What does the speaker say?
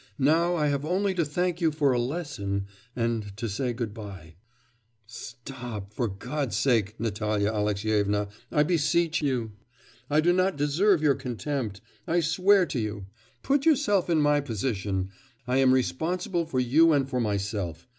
Now I have only to thank you for a lesson and to say good bye.' 'Stop, for God's sake, Natalya Alexyevna, I beseech you. I do not deserve your contempt, I swear to you. Put yourself in my position. I am responsible for you and for myself.